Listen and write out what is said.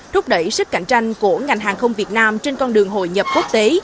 thúc đẩy sức cạnh tranh của ngành hàng không việt nam trên con đường hội nhập quốc tế